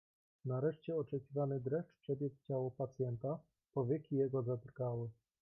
"Nareszcie oczekiwany dreszcz przebiegł ciało pacjenta, powieki jego zadrgały."